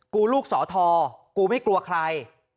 ลูกสอทอกูไม่กลัวใคร